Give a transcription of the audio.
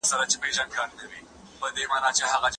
آيا ميرمن د جماع غوښتنه کولای سي؟